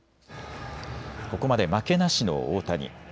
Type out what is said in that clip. ここまで負けなしの大谷。